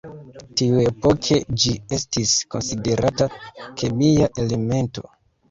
Tiuepoke ĝi estis konsiderata kemia elemento.